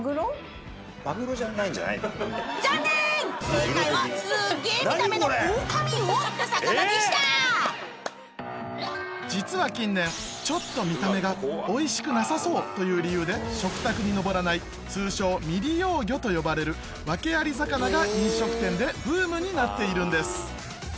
正解はすっげえ見た目のオオカミウオって魚でした実は近年ちょっと見た目がおいしくなさそうという理由で食卓に上らない通称「未利用魚」と呼ばれるワケアリ魚が飲食店でブームになっているんです